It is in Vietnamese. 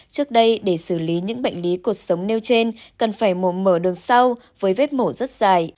trước đây để xử lý những bệnh lý cột sống nêu trên cần phải mổ mở đường sau với vết mổ rất dài